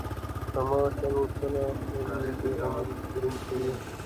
هماغه شان ورسره خوځېږي او مچو کوي.